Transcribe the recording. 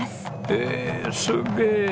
へえすげえ！